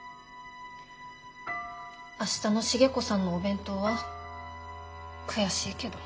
明日の重子さんのお弁当は悔しいけど。